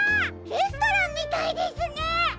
レストランみたいですね！